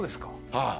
はい。